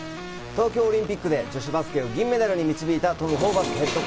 東京オリンピックで女子バスケを銀メダルに導いたトム・ホーバスＨＣ。